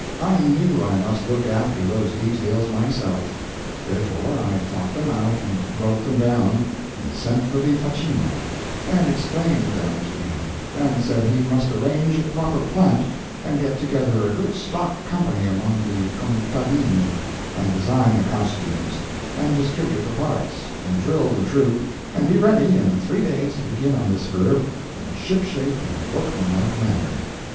I knew I must look after those details myself; therefore I thought them out and wrote them down, and sent for the _facchino _and explained them to him, and said he must arrange a proper plant, and get together a good stock company among the contadini, and design the costumes, and distribute the parts; and drill the troupe, and be ready in three days to begin on this Verb in a shipshape and workman like manner.